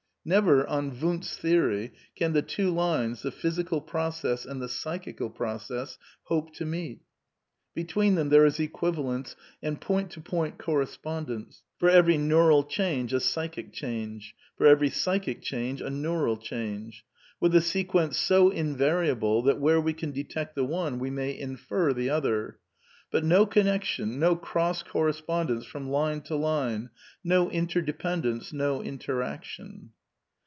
Never, on Wundt's theory, can the two lines, the physical process and the psychic process, hope to meet. Between them there is equivalence and point to point correspond ence, for every neural change a psychic change ; for every psychic change a neural change; with a sequence so in variable that where we can detect the one we may infer the other; but no connection, no cross correspondence from*^ line to line, no interdependence, no interaction.